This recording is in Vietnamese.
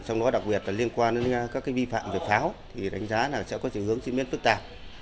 nó đặc biệt liên quan đến các vi phạm về pháo đánh giá là sẽ có chứng hướng diễn biến phức tạp